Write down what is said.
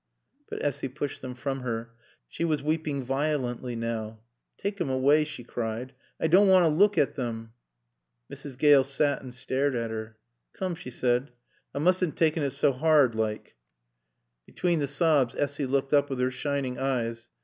But Essy pushed them from her. She was weeping violently now. "Taake 'em away!" she cried. "I doan' want t' look at 'em." Mrs. Gale sat and stared at her. "Coom," she said, "tha moos'n' taake it saw 'ard, like." Between the sobs Essy looked up with her shining eyes.